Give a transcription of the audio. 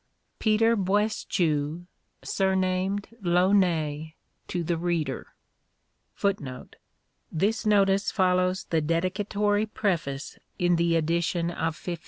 Peter Boaistuau, surnamed Launay, To the Reader.(1) 1 This notice follows the dedicatory preface in the edition of 1558.